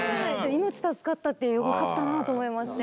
命助かったってよかったなと思いまして。